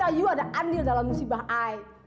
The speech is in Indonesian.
ayu ada andil dalam musibah ay